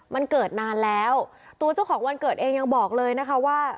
มันเกิดนานแล้วตัวเจ้าของวันเกิดเองยังบอกเลยนะคะว่า